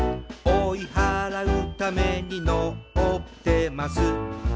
「追い払うためにのってます」